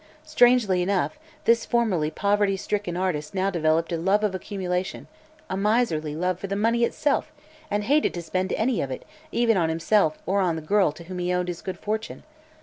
Strangely enough, this formerly poverty stricken artist now developed a love of accumulation a miserly love for the money itself, and hated to spend any of it even on himself or on the girl to whom he owed his good fortune.